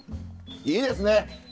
いいですね！